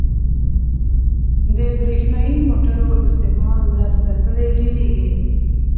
• د برېښنايي موټرو استعمال ورځ تر بلې ډېرېږي.